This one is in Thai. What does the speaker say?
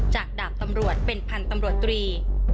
จากดาบตำรวจเป็นพันธุ์ตำรวจตรี